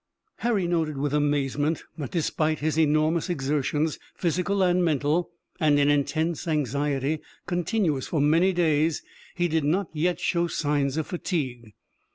Harry noted with amazement that despite his enormous exertions, physical and mental, and an intense anxiety, continuous for many days, he did not yet show signs of fatigue.